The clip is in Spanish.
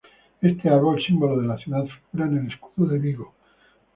Este árbol, símbolo de la ciudad, figura en el escudo de Vigo.